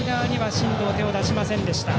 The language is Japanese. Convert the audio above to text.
真藤、手を出しませんでした。